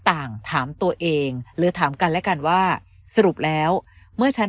ต่างถามตัวเองหรือถามกันและกันว่าสรุปแล้วเมื่อฉัน